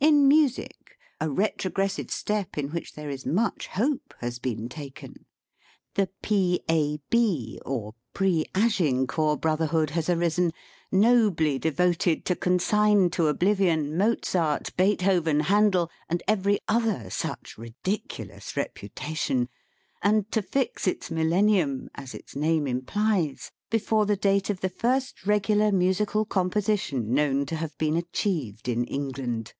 Iii Music, a retrogressive step, in which there is much hope, has been taken. The P. A. B., or Pre Agincourt Brotherhood has arisen, nobly devoted to consign to oblivion Mozart, Beethoven, Handel, and every other such ridiculous reputation, and to fix its Millennium (as its name implies) before the date of the first regular musical composition known to have been achieved in England.